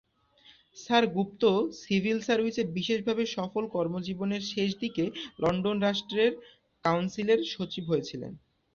Sir Gupta civil সার্ভিসে বিশেষভাবে সফল কর্মজীবনের শেষদিকে লন্ডনে রাষ্ট্রের কাউন্সিলের সচিব হয়েছিলেন।